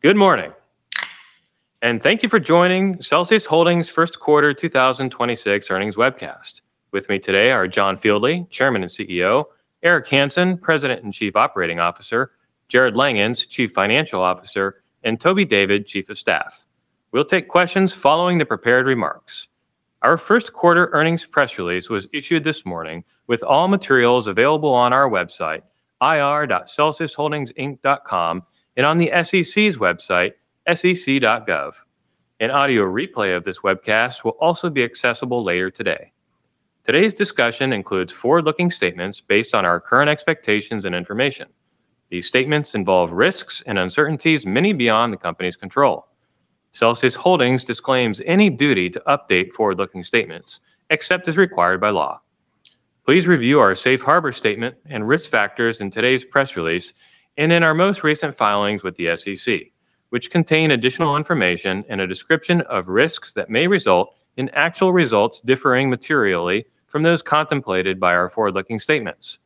Good morning, and thank you for joining Celsius Holdings' First Quarter 2026 Earnings Webcast. With me today are John Fieldly, Chairman and CEO, Eric Hanson, President and Chief Operating Officer, Jarrod Langhans, Chief Financial Officer, and Toby David, Chief of Staff. We'll take questions following the prepared remarks. Our first quarter earnings press release was issued this morning with all materials available on our website, ir.celsiusholdingsinc.com, and on the SEC's website, sec.gov. An audio replay of this webcast will also be accessible later today. Today's discussion includes forward-looking statements based on our current expectations and information. These statements involve risks and uncertainties, many beyond the company's control. Celsius Holdings disclaims any duty to update forward-looking statements except as required by law. Please review our safe harbor statement and risk factors in today's press release and in our most recent filings with the SEC, which contain additional information and a description of risks that may result in actual results differing materially from those contemplated by our forward-looking statements.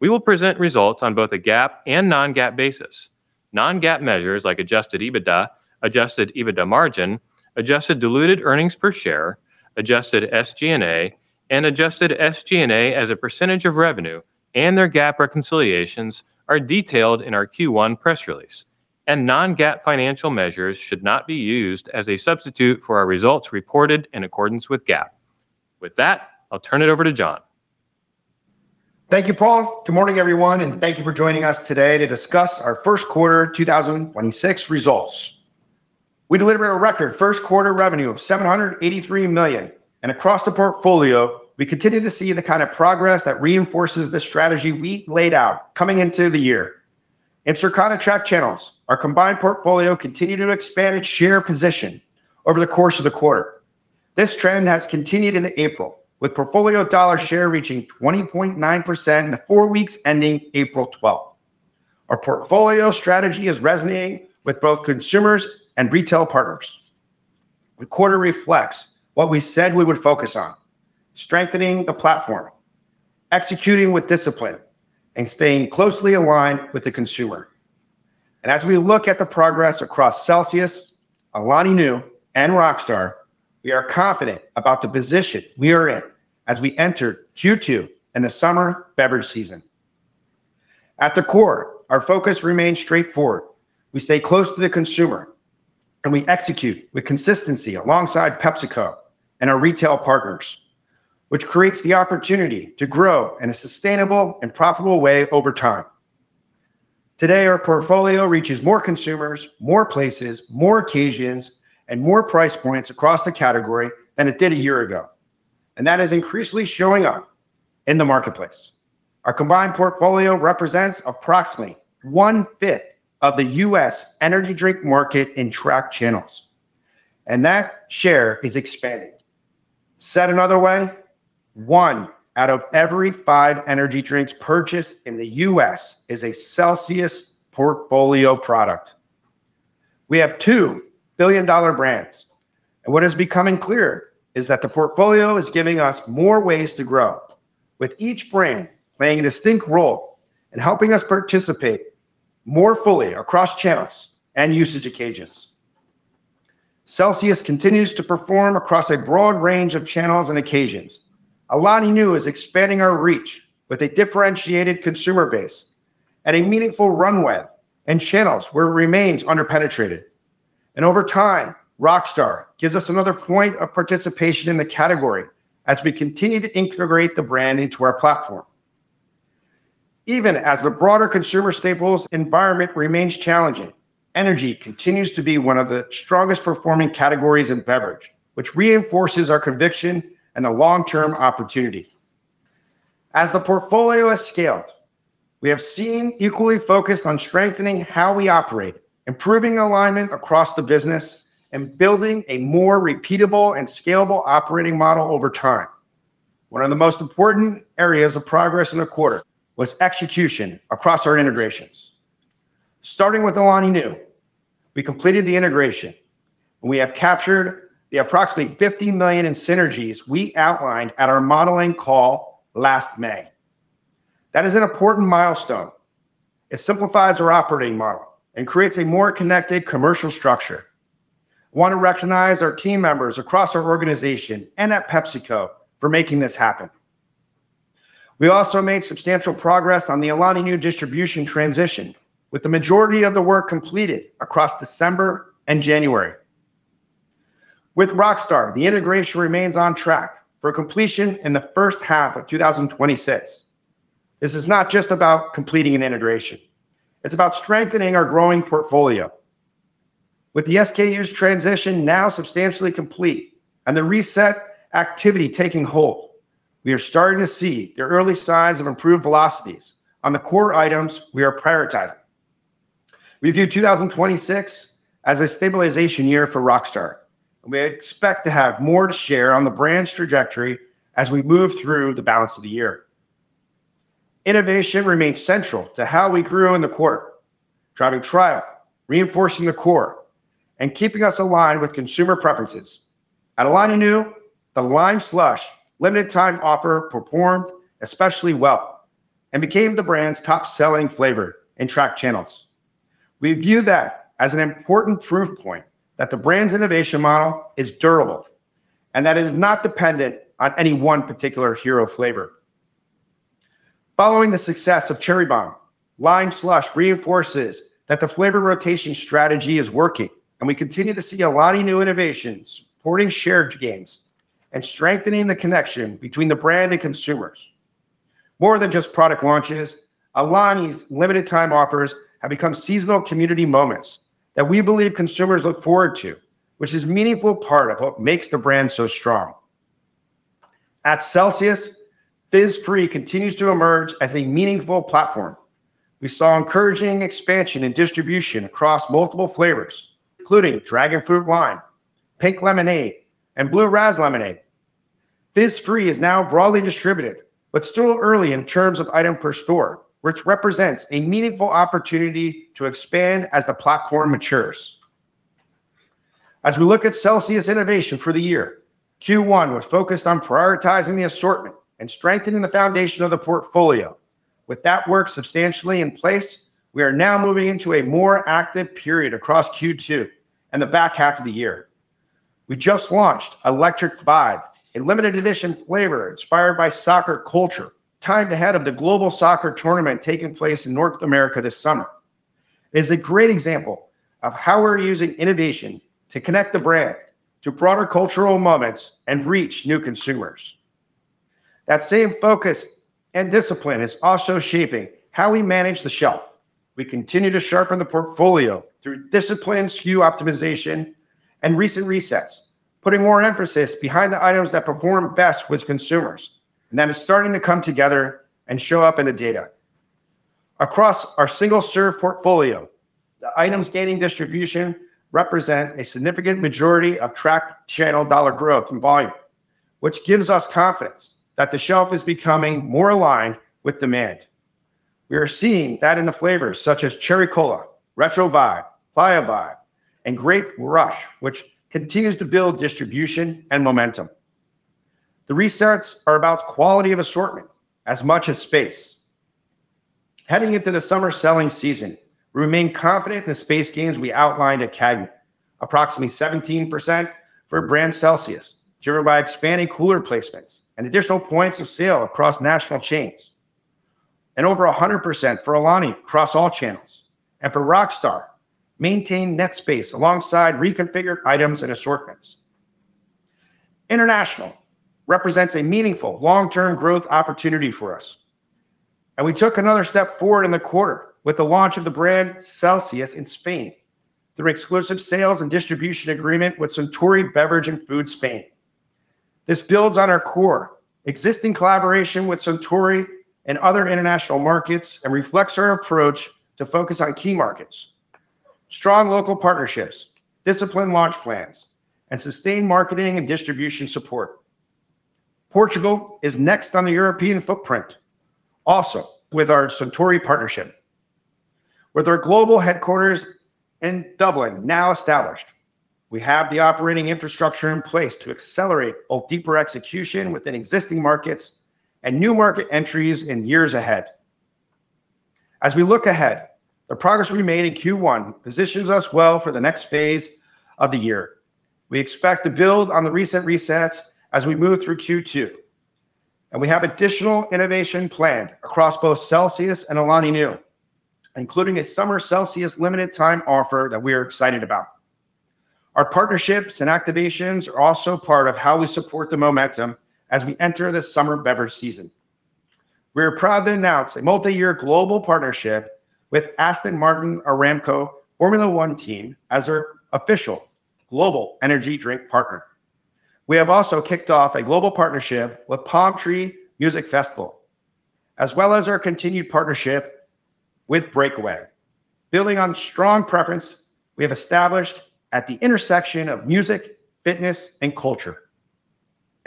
We will present results on both a GAAP and non-GAAP basis. Non-GAAP measures like Adjusted EBITDA, Adjusted EBITDA margin, adjusted diluted earnings per share, adjusted SG&A, and adjusted SG&A as a percentage of revenue and their GAAP reconciliations are detailed in our Q1 press release. Non-GAAP financial measures should not be used as a substitute for our results reported in accordance with GAAP. With that, I'll turn it over to John. Thank you, Paul. Good morning, everyone, and thank you for joining us today to discuss our first quarter 2026 results. We delivered a record first quarter revenue of $783 million, and across the portfolio we continue to see the kind of progress that reinforces the strategy we laid out coming into the year. In Circana tracked channels, our combined portfolio continued to expand its share position over the course of the quarter. This trend has continued into April, with portfolio dollar share reaching 20.9% in the four weeks ending April 12. Our portfolio strategy is resonating with both consumers and retail partners. The quarter reflects what we said we would focus on, strengthening the platform, executing with discipline, and staying closely aligned with the consumer. As we look at the progress across Celsius, Alani Nu, and Rockstar, we are confident about the position we are in as we enter Q2 and the summer beverage season. At the core, our focus remains straightforward. We stay close to the consumer, and we execute with consistency alongside PepsiCo and our retail partners, which creates the opportunity to grow in a sustainable and profitable way over time. Today, our portfolio reaches more consumers, more places, more occasions, and more price points across the category than it did a year ago, and that is increasingly showing up in the marketplace. Our combined portfolio represents approximately 1/5 of the U.S. energy drink market in tracked channels, and that share is expanding. Said another way, one out of every five energy drinks purchased in the U.S. is a Celsius portfolio product. We have two billion-dollar brands. What is becoming clear is that the portfolio is giving us more ways to grow, with each brand playing a distinct role in helping us participate more fully across channels and usage occasions. Celsius continues to perform across a broad range of channels and occasions. Alani Nu is expanding our reach with a differentiated consumer base and a meaningful runway in channels where it remains under-penetrated. Over time, Rockstar gives us another point of participation in the category as we continue to integrate the brand into our platform. Even as the broader consumer staples environment remains challenging, energy continues to be one of the strongest performing categories in beverage, which reinforces our conviction in the long-term opportunity. As the portfolio has scaled, we have seen equally focused on strengthening how we operate, improving alignment across the business, and building a more repeatable and scalable operating model over time. One of the most important areas of progress in the quarter was execution across our integrations. Starting with Alani Nu, we completed the integration, and we have captured the approximately $50 million in synergies we outlined at our modeling call last May. That is an important milestone. It simplifies our operating model and creates a more connected commercial structure. Want to recognize our team members across our organization and at PepsiCo for making this happen. We also made substantial progress on the Alani Nu distribution transition, with the majority of the work completed across December and January. With Rockstar, the integration remains on track for completion in the first half of 2026. This is not just about completing an integration. It's about strengthening our growing portfolio. With the SKUs transition now substantially complete and the reset activity taking hold, we are starting to see the early signs of improved velocities on the core items we are prioritizing. We view 2026 as a stabilization year for Rockstar. We expect to have more to share on the brand's trajectory as we move through the balance of the year. Innovation remains central to how we grew in the quarter, driving trial, reinforcing the core, and keeping us aligned with consumer preferences. At Alani Nu, the Lime Slush limited time offer performed especially well and became the brand's top-selling flavor in tracked channels. We view that as an important proof point that the brand's innovation model is durable and that it is not dependent on any one particular hero flavor. Following the success of Cherry Bomb, Lime Slush reinforces that the flavor rotation strategy is working, and we continue to see a lot of new innovations supporting share gains and strengthening the connection between the brand and consumers. More than just product launches, Alani's limited time offers have become seasonal community moments that we believe consumers look forward to, which is a meaningful part of what makes the brand so strong. At Celsius, Fizz-Free continues to emerge as a meaningful platform. We saw encouraging expansion and distribution across multiple flavors, including Dragonfruit Lime, Pink Lemonade, and Blue Razz Lemonade. Fizz-Free is now broadly distributed, but still early in terms of item per store, which represents a meaningful opportunity to expand as the platform matures. As we look at Celsius innovation for the year, Q1 was focused on prioritizing the assortment and strengthening the foundation of the portfolio. With that work substantially in place, we are now moving into a more active period across Q2 and the back half of the year. We just launched Electric Vibe, a limited edition flavor inspired by soccer culture, timed ahead of the global soccer tournament taking place in North America this summer. It is a great example of how we're using innovation to connect the brand to broader cultural moments and reach new consumers. That same focus and discipline is also shaping how we manage the shelf. We continue to sharpen the portfolio through disciplined SKU optimization and recent resets, putting more emphasis behind the items that perform best with consumers. That is starting to come together and show up in the data. Across our single-serve portfolio, the items gaining distribution represent a significant majority of tracked channel dollar growth and volume, which gives us confidence that the shelf is becoming more aligned with demand. We are seeing that in the flavors such as Cherry Cola, Retro Vibe, Playa Vibe, and Grape Rush, which continues to build distribution and momentum. The resets are about quality of assortment as much as space. Heading into the summer selling season, we remain confident in the space gains we outlined at CAGNY, approximately 17% for brand CELSIUS, driven by expanding cooler placements and additional points of sale across national chains. Over 100% for Alani across all channels. For Rockstar, maintain net space alongside reconfigured items and assortments. International represents a meaningful long-term growth opportunity for us. We took another step forward in the quarter with the launch of the brand CELSIUS in Spain through exclusive sales and distribution agreement with Suntory Beverage and Food Spain. This builds on our core existing collaboration with Suntory and other international markets and reflects our approach to focus on key markets, strong local partnerships, disciplined launch plans, and sustained marketing and distribution support. Portugal is next on the European footprint, also with our Suntory partnership. With our global headquarters in Dublin now established, we have the operating infrastructure in place to accelerate both deeper execution within existing markets and new market entries in years ahead. As we look ahead, the progress we made in Q1 positions us well for the next phase of the year. We expect to build on the recent resets as we move through Q2, and we have additional innovation planned across both CELSIUS and Alani Nu, including a summer CELSIUS limited time offer that we are excited about. Our partnerships and activations are also part of how we support the momentum as we enter the summer beverage season. We are proud to announce a multi-year global partnership with Aston Martin Aramco Formula One Team as our official global energy drink partner. We have also kicked off a global partnership with Palm Tree Music Festival, as well as our continued partnership with Breakaway Music Festival. Building on strong preference we have established at the intersection of music, fitness, and culture.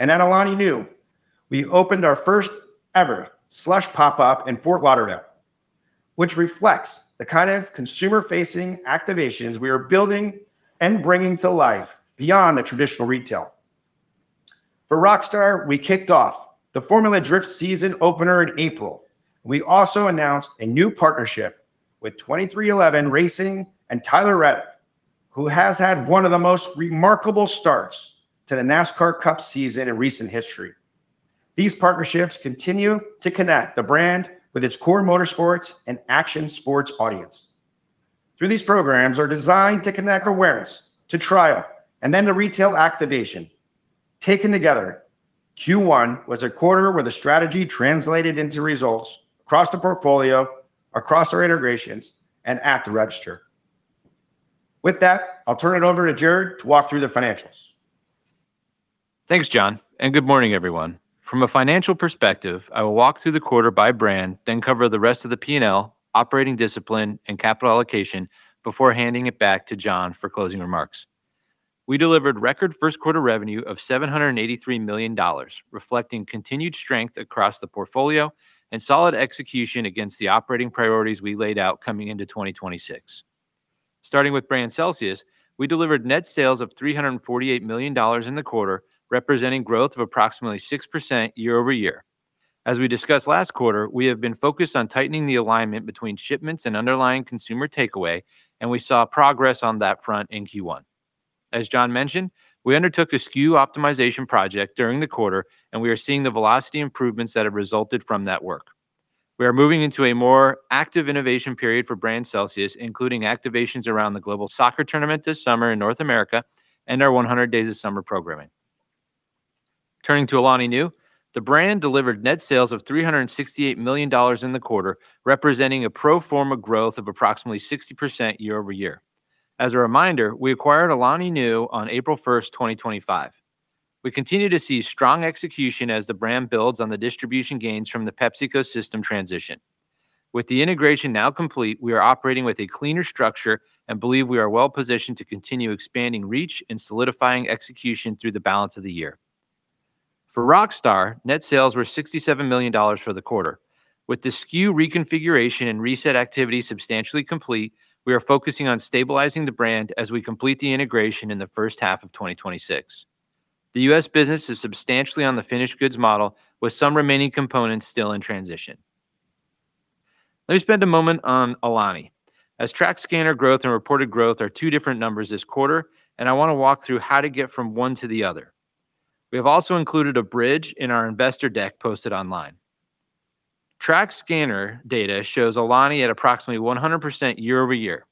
At Alani Nu, we opened our first ever slush pop-up in Fort Lauderdale, which reflects the kind of consumer-facing activations we are building and bringing to life beyond the traditional retail. For Rockstar, we kicked off the Formula Drift season opener in April. We also announced a new partnership with 23XI Racing and Tyler Reddick, who has had one of the most remarkable starts to the NASCAR Cup Series in recent history. These partnerships continue to connect the brand with its core motorsports and action sports audience. Through these programs are designed to connect awareness to trial and then to retail activation. Taken together, Q1 was a quarter where the strategy translated into results across the portfolio, across our integrations, and at the register. With that, I'll turn it over to Jarrod to walk through the financials. Thanks, John. Good morning, everyone. From a financial perspective, I will walk through the quarter by brand, then cover the rest of the P&L, operating discipline, and capital allocation before handing it back to John for closing remarks. We delivered record first quarter revenue of $783 million, reflecting continued strength across the portfolio and solid execution against the operating priorities we laid out coming into 2026. Starting with brand CELSIUS, we delivered net sales of $348 million in the quarter, representing growth of approximately 6% year-over-year. As we discussed last quarter, we have been focused on tightening the alignment between shipments and underlying consumer takeaway, and we saw progress on that front in Q1. As John mentioned, we undertook a SKU optimization project during the quarter, and we are seeing the velocity improvements that have resulted from that work. We are moving into a more active innovation period for brand CELSIUS, including activations around the global soccer tournament this summer in North America and our 100 days of summer programming. Turning to Alani Nu, the brand delivered net sales of $368 million in the quarter, representing a pro forma growth of approximately 60% year-over-year. As a reminder, we acquired Alani Nu on April 1, 2025. We continue to see strong execution as the brand builds on the distribution gains from the PepsiCo system transition. With the integration now complete, we are operating with a cleaner structure and believe we are well-positioned to continue expanding reach and solidifying execution through the balance of the year. For Rockstar, net sales were $67 million for the quarter. With the SKU reconfiguration and reset activity substantially complete, we are focusing on stabilizing the brand as we complete the integration in the first half of 2026. The U.S. business is substantially on the finished goods model, with some remaining components still in transition. Let me spend a moment on Alani. As tracked scanner growth and reported growth are two different numbers this quarter, and I wanna walk through how to get from one to the other. We have also included a bridge in our investor deck posted online. Tracked scanner data shows Alani at approximately 100% year-over-year.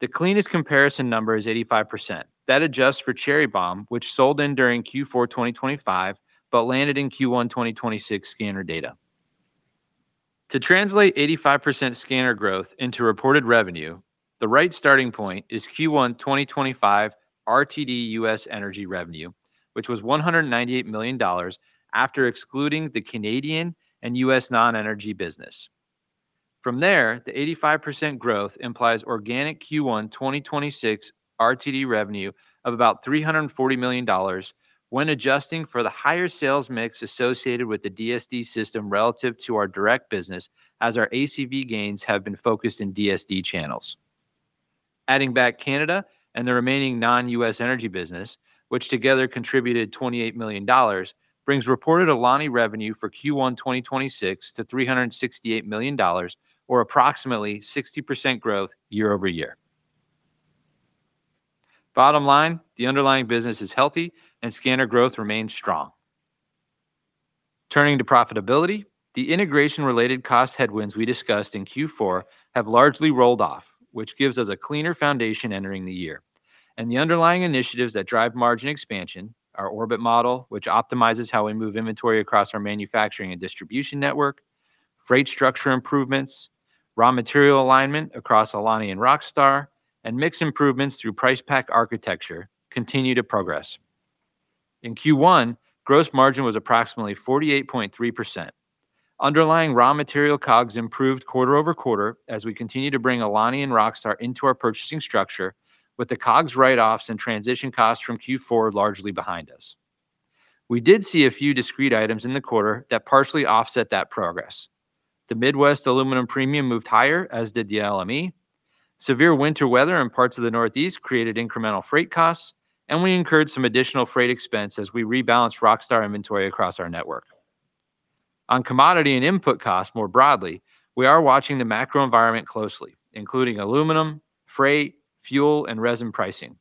The cleanest comparison number is 85%. That adjusts for Cherry Bomb, which sold in during Q4 2025 but landed in Q1 2026 scanner data. To translate 85% scanner growth into reported revenue, the right starting point is Q1 2025 RTD U.S. energy revenue, which was $198 million after excluding the Canadian and U.S. non-energy business. From there, the 85% growth implies organic Q1 2026 RTD revenue of about $340 million when adjusting for the higher sales mix associated with the DSD system relative to our direct business, as our ACV gains have been focused in DSD channels. Adding back Canada and the remaining non-U.S. energy business, which together contributed $28 million, brings reported Alani revenue for Q1 2026 to $368 million, or approximately 60% growth year-over-year. Bottom line, the underlying business is healthy and scanner growth remains strong. Turning to profitability, the integration-related cost headwinds we discussed in Q4 have largely rolled off, which gives us a cleaner foundation entering the year. The underlying initiatives that drive margin expansion, our orbit model, which optimizes how we move inventory across our manufacturing and distribution network, freight structure improvements, raw material alignment across Alani and Rockstar, and mix improvements through price pack architecture, continue to progress. In Q1, gross margin was approximately 48.3%. Underlying raw material COGS improved quarter-over-quarter as we continue to bring Alani and Rockstar into our purchasing structure with the COGS write-offs and transition costs from Q4 largely behind us. We did see a few discrete items in the quarter that partially offset that progress. The Midwest aluminum premium moved higher, as did the LME. Severe winter weather in parts of the Northeast created incremental freight costs, and we incurred some additional freight expense as we rebalanced Rockstar inventory across our network. On commodity and input costs more broadly, we are watching the macro environment closely, including aluminum, freight, fuel, and resin pricing.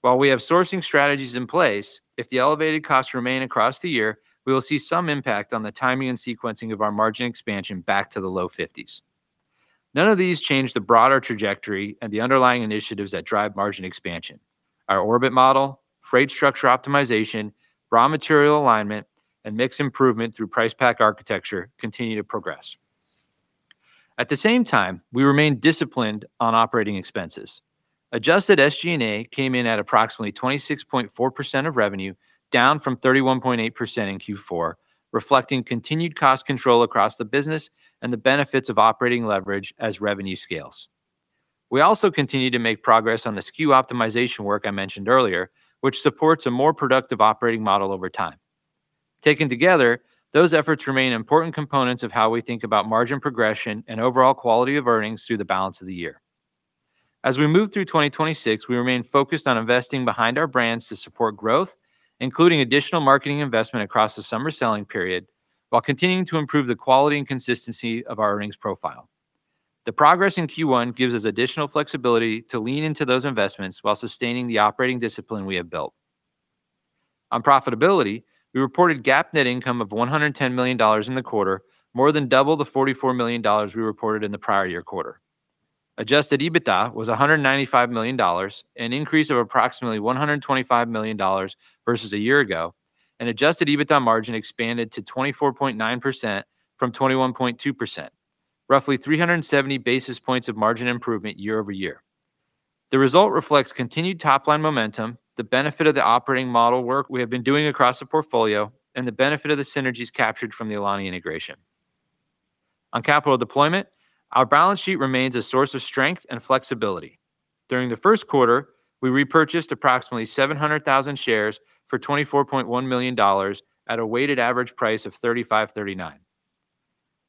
While we have sourcing strategies in place, if the elevated costs remain across the year, we will see some impact on the timing and sequencing of our margin expansion back to the low 50s. None of these change the broader trajectory and the underlying initiatives that drive margin expansion. Our orbit model, freight structure optimization, raw material alignment, and mix improvement through price pack architecture continue to progress. At the same time, we remain disciplined on operating expenses. Adjusted SG&A came in at approximately 26.4% of revenue, down from 31.8% in Q4, reflecting continued cost control across the business and the benefits of operating leverage as revenue scales. We also continue to make progress on the SKU optimization work I mentioned earlier, which supports a more productive operating model over time. Taken together, those efforts remain important components of how we think about margin progression and overall quality of earnings through the balance of the year. As we move through 2026, we remain focused on investing behind our brands to support growth, including additional marketing investment across the summer selling period, while continuing to improve the quality and consistency of our earnings profile. The progress in Q1 gives us additional flexibility to lean into those investments while sustaining the operating discipline we have built. On profitability, we reported GAAP net income of $110 million in the quarter, more than double the $44 million we reported in the prior year quarter. Adjusted EBITDA was $195 million, an increase of approximately $125 million versus a year ago, and Adjusted EBITDA margin expanded to 24.9% from 21.2%, roughly 370 basis points of margin improvement year-over-year. The result reflects continued top-line momentum, the benefit of the operating model work we have been doing across the portfolio, and the benefit of the synergies captured from the Alani integration. On capital deployment, our balance sheet remains a source of strength and flexibility. During the first quarter, we repurchased approximately 700,000 shares for $24.1 million at a weighted average price of $35.39.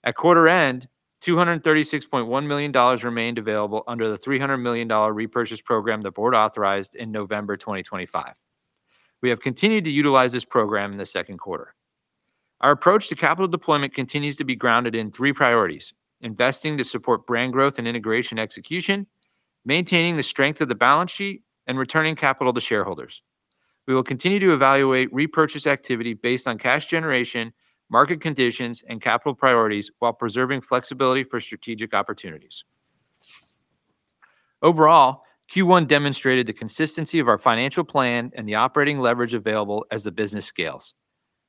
At quarter end, $236.1 million remained available under the $300 million repurchase program the board authorized in November 2025. We have continued to utilize this program in the second quarter. Our approach to capital deployment continues to be grounded in three priorities: investing to support brand growth and integration execution, maintaining the strength of the balance sheet, and returning capital to shareholders. We will continue to evaluate repurchase activity based on cash generation, market conditions, and capital priorities while preserving flexibility for strategic opportunities. Overall, Q1 demonstrated the consistency of our financial plan and the operating leverage available as the business scales.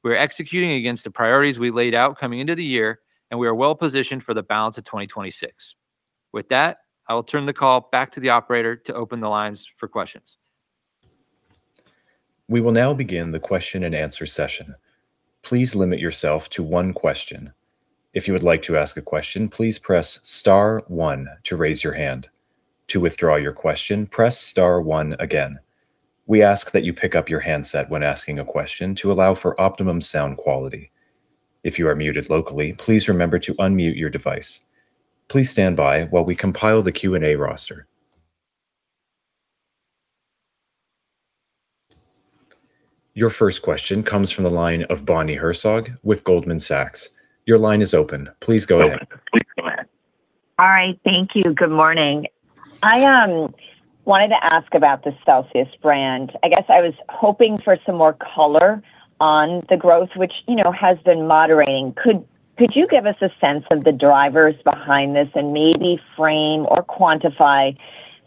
We're executing against the priorities we laid out coming into the year, we are well-positioned for the balance of 2026. With that, I will turn the call back to the operator to open the lines for questions. We will now begin the question-and-answer session. Please limit yourself to one question. If you would like to ask a question, please press star 1 to raise your hand. To withdraw your question, press star 1 again. We ask that you pick up your handset when asking a question to allow for optimum sound quality. If you are muted locally, please remember to unmute your device. Please stand by while we compile the Q&A roster. Your first question comes from the line of Bonnie Herzog with Goldman Sachs. Your line is open. Please go ahead. All right. Thank you. Good morning. I wanted to ask about the CELSIUS brand. I guess I was hoping for some more color on the growth, which, you know, has been moderating. Could you give us a sense of the drivers behind this and maybe frame or quantify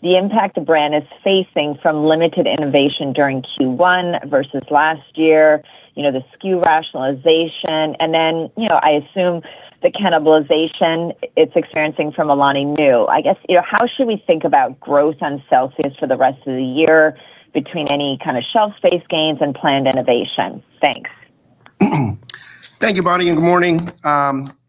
the impact the brand is facing from limited innovation during Q1 versus last year, you know, the SKU rationalization, and then, you know, I assume the cannibalization it's experiencing from Alani Nu? I guess, you know, how should we think about growth on CELSIUS for the rest of the year between any kind of shelf space gains and planned innovation? Thanks. Thank you, Bonnie. Good morning.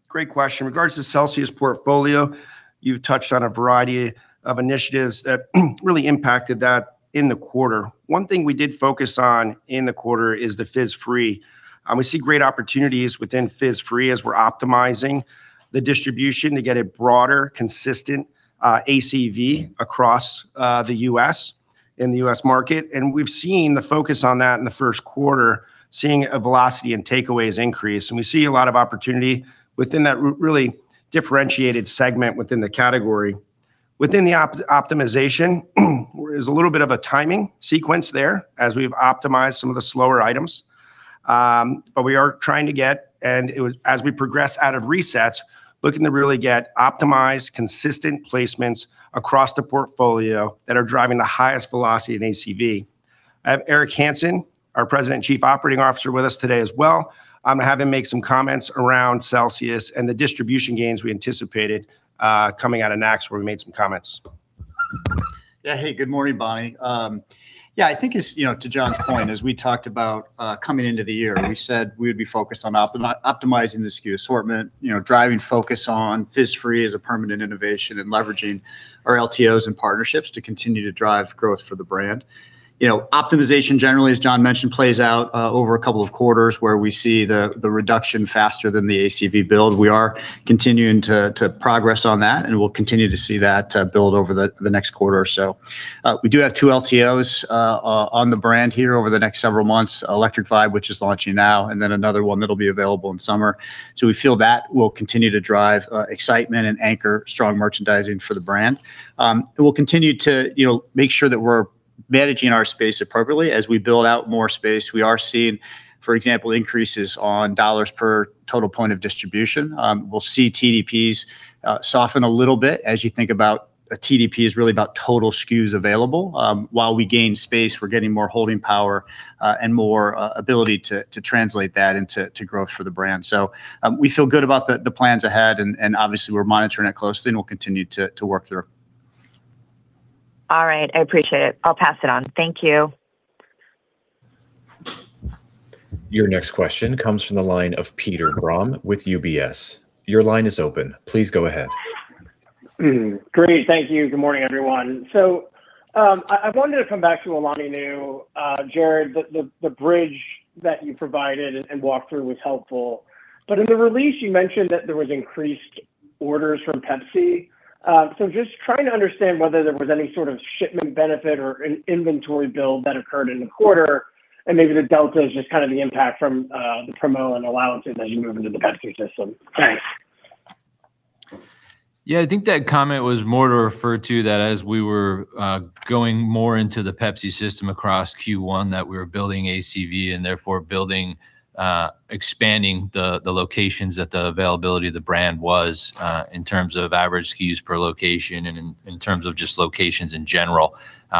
Great question. In regards to Celsius portfolio, you've touched on a variety of initiatives that really impacted that in the quarter. One thing we did focus on in the quarter is the Fizz-Free. We see great opportunities within Fizz-Free as we're optimizing the distribution to get a broader, consistent ACV across the U.S. in the U.S. market. We've seen the focus on that in the first quarter, seeing a velocity in takeaways increase. We see a lot of opportunity within that really differentiated segment within the category. Within the optimization, there's a little bit of a timing sequence there as we've optimized some of the slower items. We are trying to get, as we progress out of resets, looking to really get optimized, consistent placements across the portfolio that are driving the highest velocity in ACV. I have Eric Hanson, our President and Chief Operating Officer, with us today as well. I'm gonna have him make some comments around Celsius and the distribution gains we anticipated, coming out of NACS, where we made some comments. Hey. Good morning, Bonnie. I think as, you know, to John's point, as we talked about coming into the year, we said we would be focused on optimizing the SKU assortment, you know, driving focus on Fizz-Free as a permanent innovation, and leveraging our LTOs and partnerships to continue to drive growth for the brand. You know, optimization generally, as John mentioned, plays out over couple of quarters, where we see the reduction faster than the ACV build. We are continuing to progress on that, and we'll continue to see that build over the next quarter or so. We do have two LTOs on the brand here over the next several months, Electric Vibe, which is launching now, and then another one that'll be available in summer. We feel that will continue to drive excitement and anchor strong merchandising for the brand. We'll continue to, you know, make sure that we're managing our space appropriately. As we build out more space, we are seeing, for example, increases on dollars per total point of distribution. We'll see TDPs soften a little bit. As you think about a TDP is really about total SKUs available. While we gain space, we're getting more holding power and more ability to translate that into growth for the brand. We feel good about the plans ahead and obviously we're monitoring it closely and we'll continue to work through. All right. I appreciate it. I'll pass it on. Thank you. Your next question comes from the line of Peter Grom with UBS. Your line is open. Please go ahead. Great. Thank you. Good morning, everyone. I wanted to come back to Alani Nu. Jarrod, the bridge that you provided and walked through was helpful. In the release you mentioned that there was increased orders from PepsiCo. Just trying to understand whether there was any sort of shipment benefit or inventory build that occurred in the quarter, and maybe the delta is just kind of the impact from the promo and allowances as you move into the PepsiCo system. Thanks. Yeah. I think that comment was more to refer to that as we were going more into the PepsiCo system across Q1, that we were building ACV and therefore building, expanding the locations that the availability of the brand was in terms of average SKUs per location and in terms of just locations in general,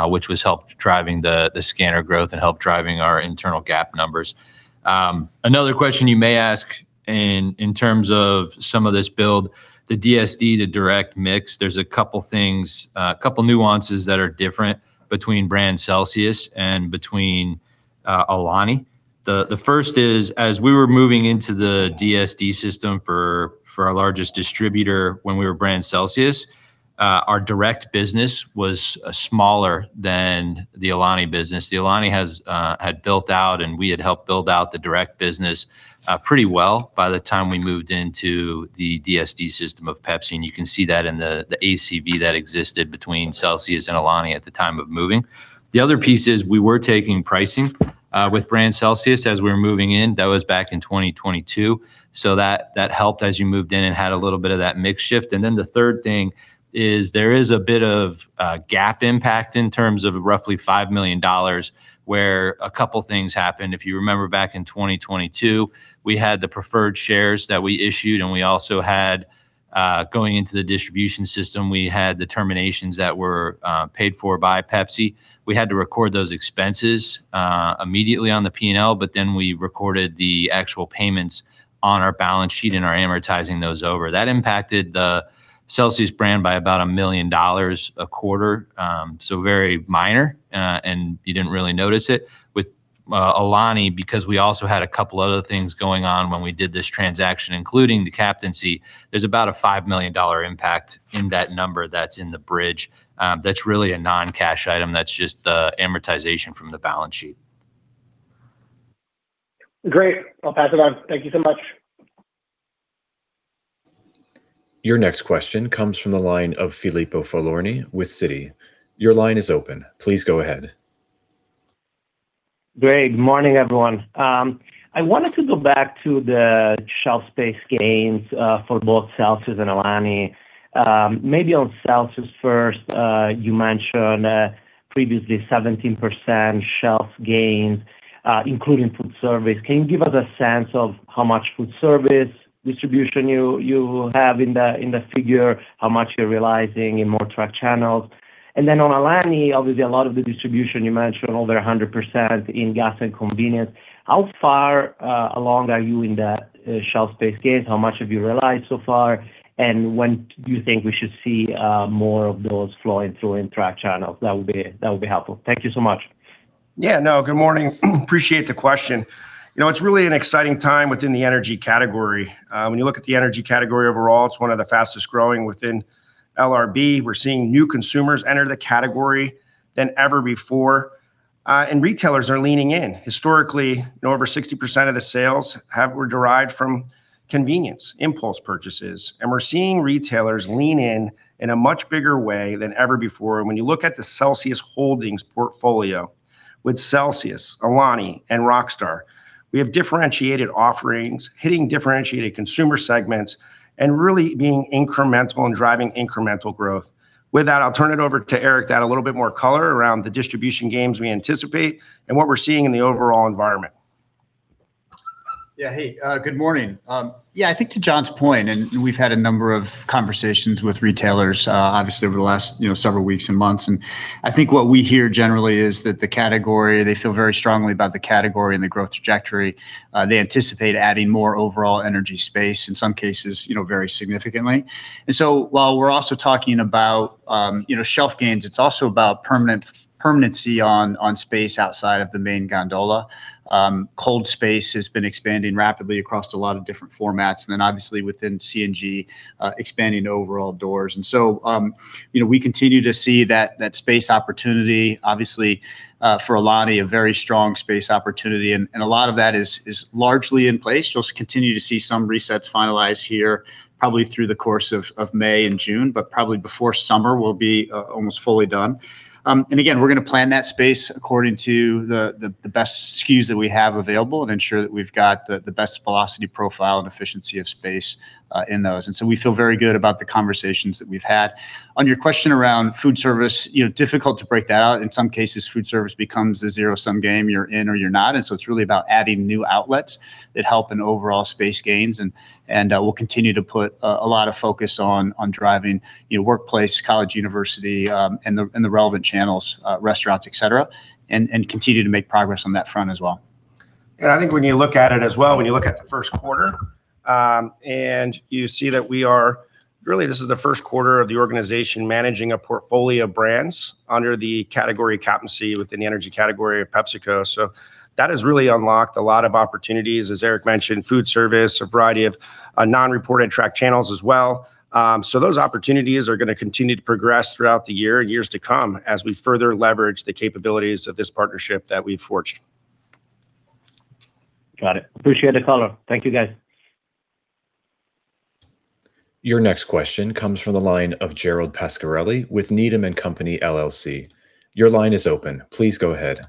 which has helped driving the scanner growth and helped driving our internal GAAP numbers. Another question you may ask and in terms of some of this build, the DSD to direct mix, there's a couple things, a couple nuances that are different between brand CELSIUS and between Alani. The first is, as we were moving into the DSD system for our largest distributor when we were brand CELSIUS, our direct business was smaller than the Alani business. The Alani has had built out and we had helped build out the direct business pretty well by the time we moved into the DSD system of PepsiCo, and you can see that in the ACV that existed between CELSIUS and Alani at the time of moving. The other piece is we were taking pricing with brand CELSIUS as we were moving in. That was back in 2022. That helped as you moved in, it had a little bit of that mix shift. The third thing is there is a bit of GAAP impact in terms of roughly $5 million, where a couple things happened. If you remember back in 2022, we had the preferred shares that we issued. We also had, going into the distribution system, we had the terminations that were paid for by PepsiCo. We had to record those expenses immediately on the P&L but then we recorded the actual payments on our balance sheet and are amortizing those over. That impacted the CELSIUS brand by about $1 million a quarter. Very minor. You didn't really notice it. With Alani, because we also had a couple other things going on when we did this transaction, including the captaincy, there's about a $5 million impact in that number that's in the bridge. That's really a non-cash item. That's just the amortization from the balance sheet. Great. I'll pass it on. Thank you so much. Your next question comes from the line of Filippo Falorni with Citi. Your line is open. Please go ahead. Great. Morning, everyone. I wanted to go back to the shelf space gains for both Celsius and Alani. Maybe on Celsius first. You mentioned previously 17% shelf gain including food service. Can you give us a sense of how much food service distribution you have in the figure? How much you're realizing in more tracked channels? Then on Alani, obviously a lot of the distribution, you mentioned over 100% in gas and convenience. How far along are you in the shelf space gains? How much have you realized so far? And when do you think we should see more of those flowing through in track channels? That would be helpful. Thank you so much. Good morning. Appreciate the question. You know, it's really an exciting time within the energy category. When you look at the energy category overall, it's one of the fastest growing within LRB. We're seeing new consumers enter the category than ever before. Retailers are leaning in. Historically, you know, over 60% of the sales have were derived from convenience, impulse purchases, and we're seeing retailers lean in in a much bigger way than ever before. When you look at the Celsius Holdings portfolio with CELSIUS, Alani, and Rockstar, we have differentiated offerings, hitting differentiated consumer segments, and really being incremental and driving incremental growth. With that, I'll turn it over to Eric to add a little bit more color around the distribution gains we anticipate and what we're seeing in the overall environment. Yeah. Hey, good morning. I think to John Fieldly's point, we've had a number of conversations with retailers, obviously over the last, you know, several weeks and months, and I think what we hear generally is that the category, they feel very strongly about the category and the growth trajectory. They anticipate adding more overall energy space, in some cases, you know, very significantly. While we're also talking about, you know, shelf gains, it's also about permanency on space outside of the main gondola. Cold space has been expanding rapidly across a lot of different formats, obviously within C&G, expanding overall doors. We continue to see that space opportunity, obviously, for Alani, a very strong space opportunity. A lot of that is largely in place. You'll continue to see some resets finalize here, probably through the course of May and June. Probably before summer we'll be almost fully done. Again, we're gonna plan that space according to the best SKUs that we have available and ensure that we've got the best velocity profile and efficiency of space in those. We feel very good about the conversations that we've had. On your question around food service, you know, difficult to break that out. In some cases, food service becomes a zero-sum game. You're in or you're not. It's really about adding new outlets that help in overall space gains and we'll continue to put a lot of focus on driving, you know, workplace, college, university, and the relevant channels, restaurants, et cetera, and continue to make progress on that front as well. I think when you look at it as well, when you look at the first quarter, and you see that we are, really, this is the first quarter of the organization managing a portfolio of brands under the category captaincy within the energy category of PepsiCo. That has really unlocked a lot of opportunities. As Eric mentioned, food service, a variety of non-reported track channels as well. Those opportunities are gonna continue to progress throughout the year and years to come as we further leverage the capabilities of this partnership that we've forged. Got it. Appreciate the color. Thank you, guys. Your next question comes from the line of Gerald Pascarelli with Needham & Company LLC. Your line is open. Please go ahead.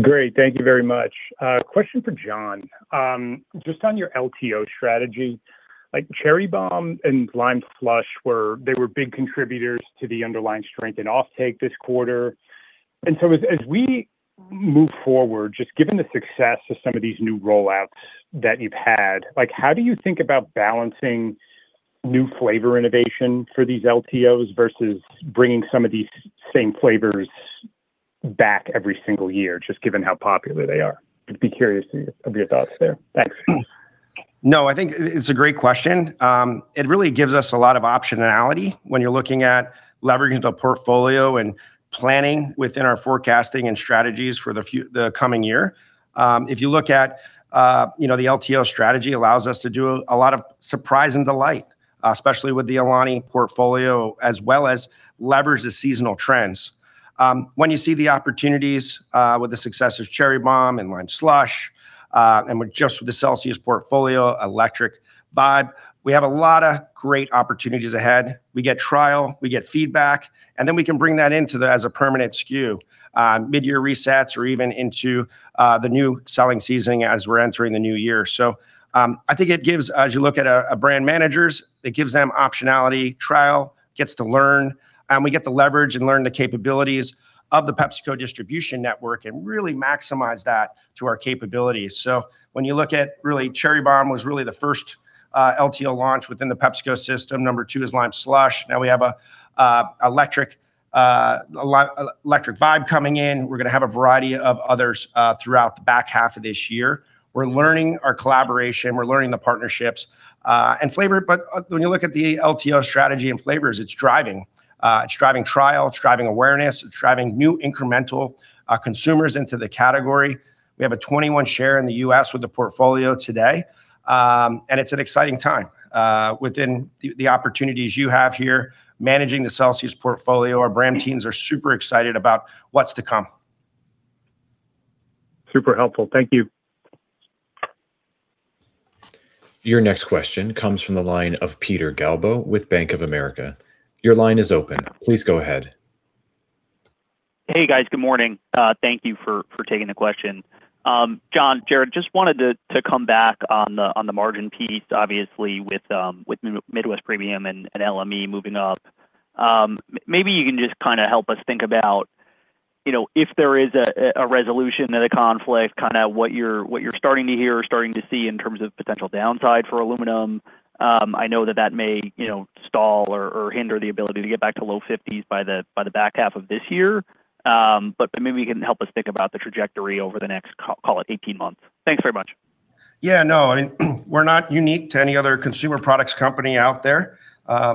Great. Thank you very much. Question for John. just on your LTO strategy, like Cherry Bomb and Lime Slush, they were big contributors to the underlying strength in offtake this quarter. As we move forward, just given the success of some of these new rollouts that you've had, like, how do you think about balancing new flavor innovation for these LTOs versus bringing some of these same flavors back every single year, just given how popular they are? I'd be curious of your thoughts there. Thanks. No, I think it's a great question. It really gives us a lot of optionality when you're looking at leveraging the portfolio and planning within our forecasting and strategies for the coming year. If you look at, you know, the LTO strategy allows us to do a lot of surprise and delight Especially with the Alani portfolio, as well as leverage the seasonal trends. When you see the opportunities with the success of Cherry Bomb and Lime Slush, and with just the CELSIUS portfolio, Electric Vibe, we have a lot of great opportunities ahead. We get trial, we get feedback, and then we can bring that into the, as a permanent SKU, mid-year resets or even into the new selling season as we're entering the new year. I think it gives, as you look at brand managers, it gives them optionality, trial, gets to learn, and we get the leverage and learn the capabilities of the PepsiCo distribution network and really maximize that to our capabilities. When you look at really Cherry Bomb was really the first LTO launch within the PepsiCo system. Number two is Lime Slush. Now we have a Electric Vibe coming in. We're gonna have a variety of others throughout the back half of this year. We're learning our collaboration, we're learning the partnerships and flavor. When you look at the LTO strategy and flavors, it's driving. It's driving trial, it's driving awareness, it's driving new incremental consumers into the category. We have a 21 share in the U.S. with the portfolio today. It's an exciting time within the opportunities you have here managing the Celsius portfolio. Our brand teams are super excited about what's to come. Super helpful. Thank you. Your next question comes from the line of Peter Galbo with Bank of America. Your line is open. Please go ahead. Hey, guys. Good morning. Thank you for taking the question. John, Jarrod, just wanted to come back on the margin piece, obviously with Midwest premium and LME moving up. Maybe you can just kind of help us think about, you know, if there is a resolution to the conflict, kind of what you're starting to hear or starting to see in terms of potential downside for aluminum. I know that that may, you know, stall or hinder the ability to get back to low 50s by the back half of this year. Maybe you can help us think about the trajectory over the next, call it 18 months. Thanks very much. Yeah, no, I mean, we're not unique to any other consumer products company out there.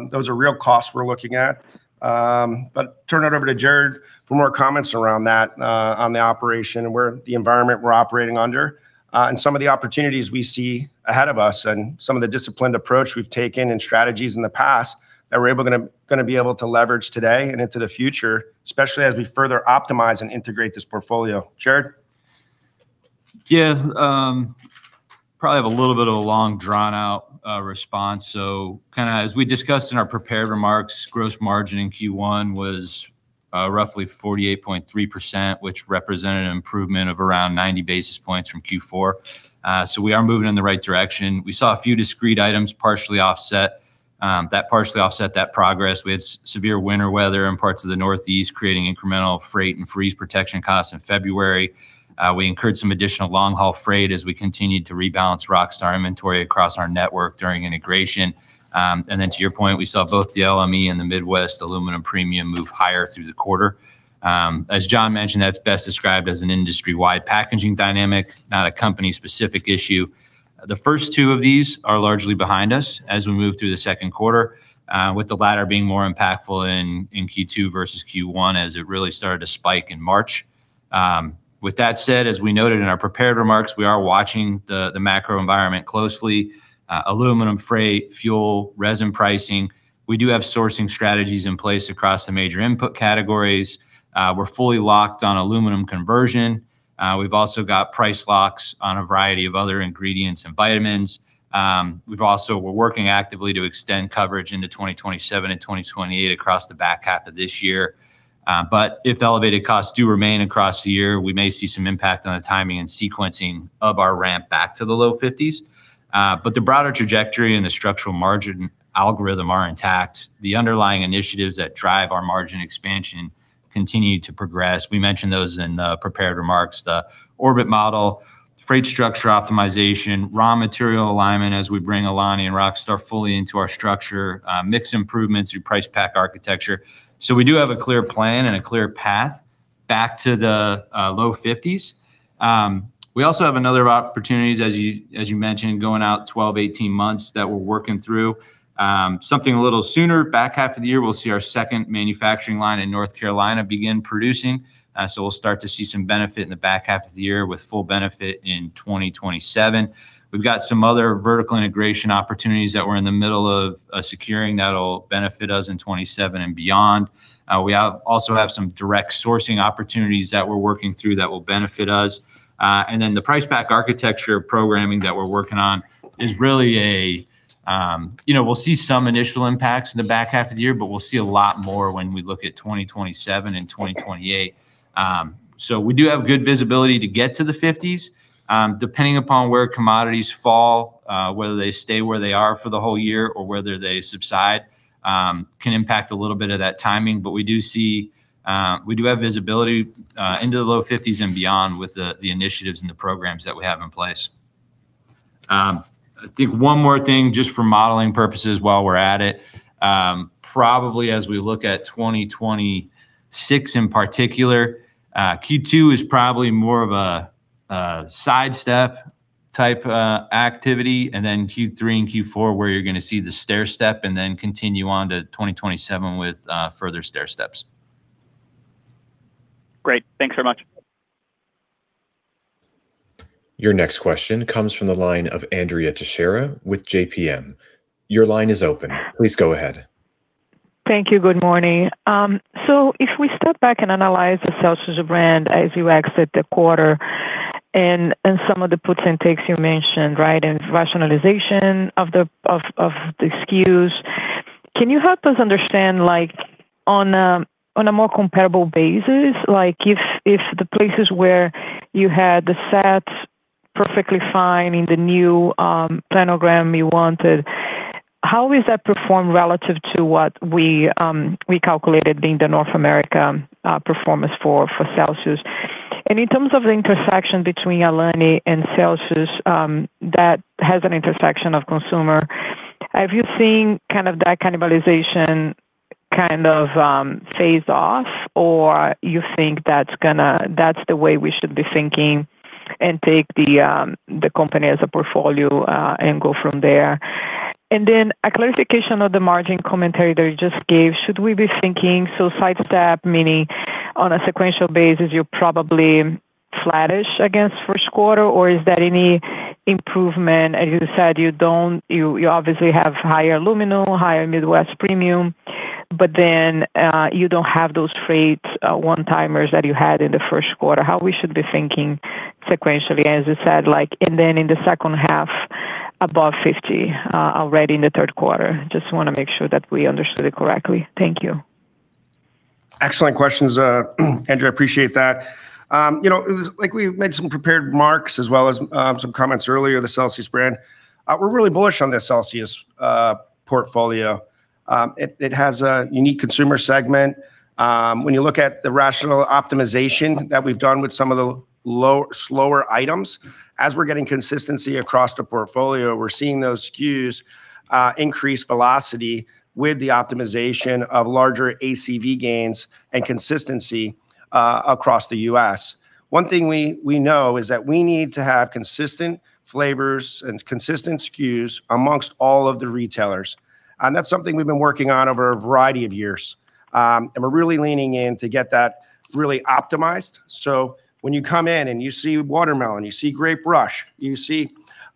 Those are real costs we're looking at. Turn it over to Jarrod for more comments around that, on the operation, where the environment we're operating under, and some of the opportunities we see ahead of us and some of the disciplined approach we've taken and strategies in the past that we're able gonna be able to leverage today and into the future, especially as we further optimize and integrate this portfolio. Jarrod? Probably have a little bit of a long drawn out response. Kind of as we discussed in our prepared remarks, gross margin in Q1 was roughly 48.3%, which represented an improvement of around 90 basis points from Q4. We are moving in the right direction. We saw a few discrete items partially offset that partially offset that progress. We had severe winter weather in parts of the Northeast, creating incremental freight and freeze protection costs in February. We incurred some additional long haul freight as we continued to rebalance Rockstar Energy inventory across our network during integration. To your point, we saw both the LME and the Midwest aluminum premium move higher through the quarter. As John mentioned, that's best described as an industry-wide packaging dynamic, not a company specific issue. The first two of these are largely behind us as we move through the second quarter, with the latter being more impactful in Q2 versus Q1 as it really started to spike in March. With that said, as we noted in our prepared remarks, we are watching the macro environment closely, aluminum freight, fuel, resin pricing. We do have sourcing strategies in place across the major input categories. We're fully locked on aluminum conversion. We've also got price locks on a variety of other ingredients and vitamins. We're working actively to extend coverage into 2027 and 2028 across the back half of this year. If the elevated costs do remain across the year, we may see some impact on the timing and sequencing of our ramp back to the low 50s. The broader trajectory and the structural margin algorithm are intact. The underlying initiatives that drive our margin expansion continue to progress. We mentioned those in the prepared remarks, the orbit model, freight structure optimization, raw material alignment as we bring Alani and Rockstar fully into our structure, mix improvements through price pack architecture. We do have a clear plan and a clear path back to the low 50s. We also have another opportunities as you, as you mentioned, going out 12-18 months that we're working through. Something a little sooner, back half of the year, we'll see our 2nd manufacturing line in North Carolina begin producing. We'll start to see some benefit in the back half of the year with full benefit in 2027. We've got some other vertical integration opportunities that we're in the middle of securing that'll benefit us in 2027 and beyond. We also have some direct sourcing opportunities that we're working through that will benefit us. Then the price pack architecture programming that we're working on is really a, you know, we'll see some initial impacts in the back half of the year, but we'll see a lot more when we look at 2027 and 2028. We do have good visibility to get to the 50s. Depending upon where commodities fall, whether they stay where they are for the whole year or whether they subside, can impact a little bit of that timing. We do see, we do have visibility into the low 50s and beyond with the initiatives and the programs that we have in place. I think one more thing just for modeling purposes while we're at it, probably as we look at 2026 in particular, Q2 is probably more of a sidestep type activity, and then Q3 and Q4 where you're gonna see the stairstep and then continue on to 2027 with further stairsteps. Great. Thanks very much. Your next question comes from the line of Andrea Teixeira with JPMorgan. Your line is open. Please go ahead. Thank you. Good morning. If we step back and analyze the CELSIUS brand as you exit the quarter and some of the puts and takes you mentioned, right, and rationalization of the SKUs, can you help us understand, on a more comparable basis, if the places where you had the sets perfectly fine in the new planogram you wanted, how is that performed relative to what we calculated being the North America performance for CELSIUS? In terms of the intersection between Alani and CELSIUS, that has an intersection of consumer, have you seen kind of that cannibalization kind of phase off or you think that's the way we should be thinking and take the company as a portfolio and go from there? A clarification of the margin commentary that you just gave. Should we be thinking so sidestep meaning on a sequential basis you're probably flattish I guess for quarter, or is there any improvement? As you said, you don't, you obviously have higher aluminum, higher Midwest premium, but then you don't have those freight, one-timers that you had in the first quarter. How we should be thinking sequentially as you said, like, in the second half above 50%, already in the third quarter? Just wanna make sure that we understood it correctly. Thank you. Excellent questions, Andrea, appreciate that. You know, like we made some prepared remarks as well as some comments earlier, the CELSIUS brand. We're really bullish on the CELSIUS portfolio. It has a unique consumer segment. When you look at the rational optimization that we've done with some of the slower items, as we're getting consistency across the portfolio, we're seeing those SKUs increase velocity with the optimization of larger ACV gains and consistency across the U.S. One thing we know is that we need to have consistent flavors and consistent SKUs amongst all of the retailers. That's something we've been working on over a variety of years. We're really leaning in to get that really optimized. When you come in and you see Watermelon, you see Grape Rush, you see,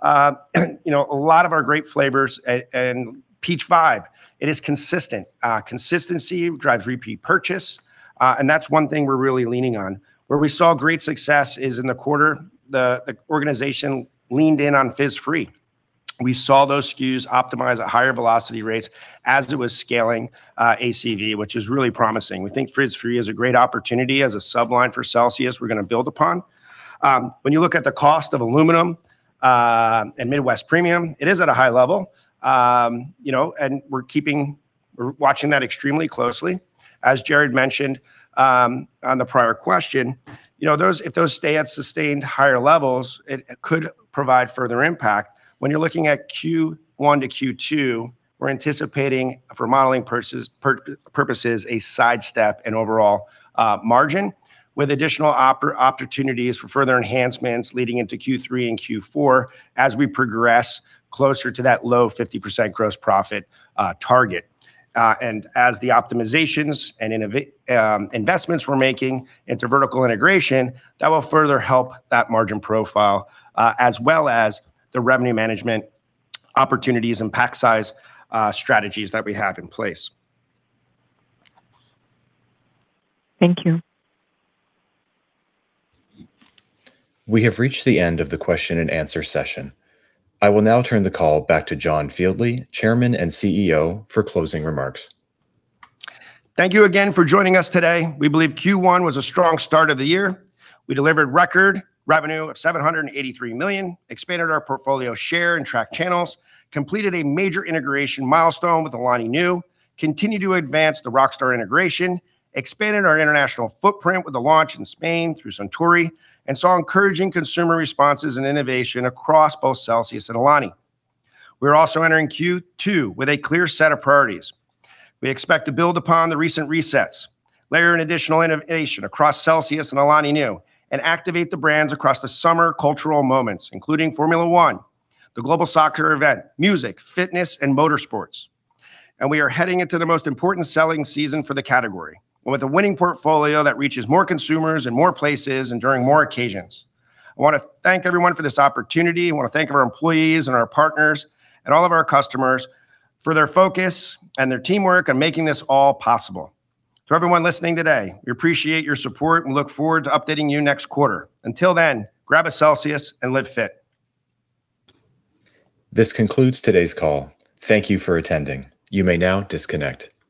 you know, a lot of our great flavors and Peach Vibe, it is consistent. Consistency drives repeat purchase, and that's one thing we're really leaning on. Where we saw great success is in the quarter, the organization leaned in on Fizz-Free. We saw those SKUs optimize at higher velocity rates as it was scaling ACV, which is really promising. We think Fizz-Free is a great opportunity as a sub-line for CELSIUS we're gonna build upon. When you look at the cost of aluminum and Midwest aluminum premium, it is at a high level. You know, and we're watching that extremely closely. As Jarrod mentioned, on the prior question, you know, if those stay at sustained higher levels, it could provide further impact. When you're looking at Q1 to Q2, we're anticipating for modeling purposes, a sidestep in overall margin with additional opportunities for further enhancements leading into Q3 and Q4 as we progress closer to that low 50% gross profit target. As the optimizations and investments we're making into vertical integration, that will further help that margin profile, as well as the revenue management opportunities and pack size strategies that we have in place. Thank you. We have reached the end of the question and answer session. I will now turn the call back to John Fieldly, Chairman and CEO, for closing remarks. Thank you again for joining us today. We believe Q1 was a strong start of the year. We delivered record revenue of $783 million, expanded our portfolio share and track channels, completed a major integration milestone with Alani Nu, continued to advance the Rockstar integration, expanded our international footprint with the launch in Spain through Suntory, and saw encouraging consumer responses and innovation across both Celsius and Alani. We're also entering Q2 with a clear set of priorities. We expect to build upon the recent resets, layer in additional innovation across Celsius and Alani Nu, and activate the brands across the summer cultural moments, including Formula One, the global soccer event, music, fitness, and motorsports. We are heading into the most important selling season for the category with a winning portfolio that reaches more consumers in more places and during more occasions. I wanna thank everyone for this opportunity. I wanna thank our employees and our partners and all of our customers for their focus and their teamwork in making this all possible. To everyone listening today, we appreciate your support and look forward to updating you next quarter. Until then, grab a CELSIUS and live fit. This concludes today's call. Thank you for attending. You may now disconnect.